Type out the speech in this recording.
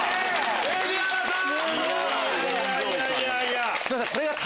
蛯原さん！